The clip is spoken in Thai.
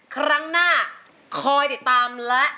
ครั้งหน้าคอยติดตามและ